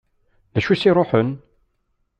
D acu i s-iruḥen?